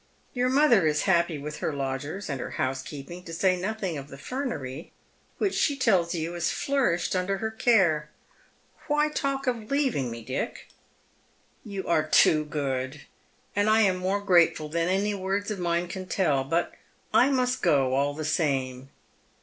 Your mother is happy with her lodgers and her housekeeping, to say nothing of the "fernery, which she tells you has flomished under her care. Why talk of leaving me, Dick ?"" You are too good ; and I am more grateful than any words of mine can tell. But I must go all the same."